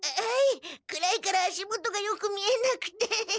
はい暗いから足元がよく見えなくて。